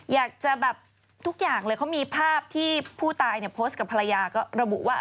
อยากจะแบบทุกอย่างเลยเขามีภาพที่ผู้ตายเนี่ยโพสต์กับภรรยาก็ระบุว่า